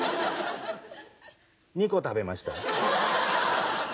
２個食べました。